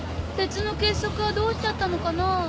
鉄の結束はどうしちゃったのかなぁ？